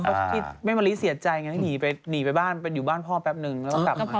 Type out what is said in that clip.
ที่แม่มะริเสียใจไงหนีไปบ้านอยู่บ้านพ่อแป๊บหนึ่งแล้วก็กลับมา